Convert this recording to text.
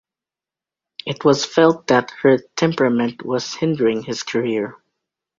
It was felt that her temperament was hindering his career.